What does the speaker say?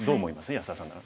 安田さんなら。